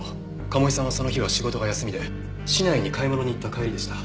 賀茂井さんはその日は仕事が休みで市内に買い物に行った帰りでした。